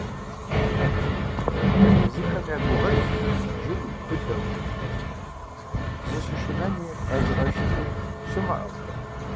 Езыхэм я гугъэжщ жыру быдэу, зыщышынэни къэзыгъэшыни щымыӀэу.